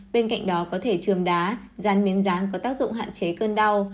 bên cạnh đó có thể trường đá rán miếng ráng có tác dụng hạn chế cơn đau